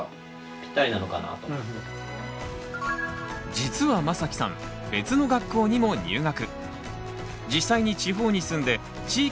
実はまさきさん別の学校にも入学。